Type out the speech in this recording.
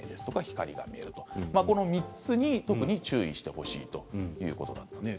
この３つに特に注意してほしいということなんです。